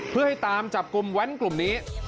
เพื่อให้ตามจับกลุ่มแว้นกลุ่มนี้